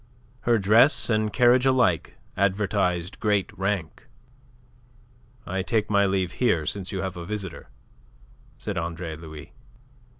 Her dress and carriage alike advertised great rank. "I take my leave here, since you have a visitor," said Andre Louis.